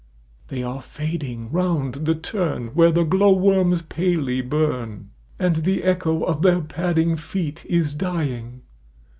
They are fading round the turn Where tlie glow worms palel}' burn 64 Goblin Feet And tlie echo of^their padding feet is dying